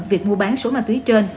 việc mua bán số ma túy trên